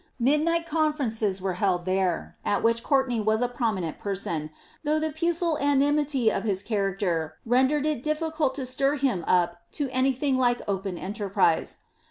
Midnight conferences were held there, at which Courtenay was a pro minent person, though the pusillanimity of his character rendered it difficult to stir him up to anything like open enterprise.